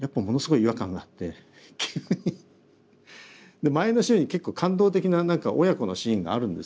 で前の週に結構感動的な何か親子のシーンがあるんですよね。